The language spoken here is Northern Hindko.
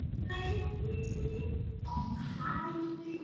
ایہہ ایجیاں دو چیجاں ہن۔